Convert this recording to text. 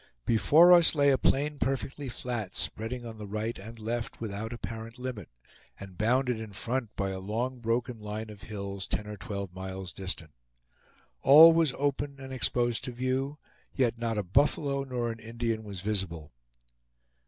Before us lay a plain perfectly flat, spreading on the right and left, without apparent limit, and bounded in front by a long broken line of hills, ten or twelve miles distant. All was open and exposed to view, yet not a buffalo nor an Indian was visible.